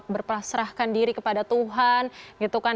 berpasrahkan diri kepada tuhan gitu kan